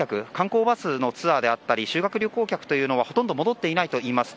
光バスのツアーであったり修学旅行客というのはほとんど戻っていないといいます。